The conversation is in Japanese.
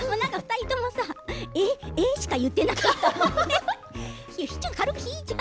２人ともええ！しか言ってなかった。